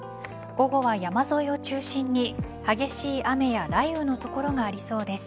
午後は山沿いを中心に激しい雨や雷雨の所がありそうです。